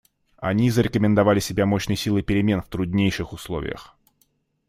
Они зарекомендовали себя мощной силой перемен в труднейших условиях.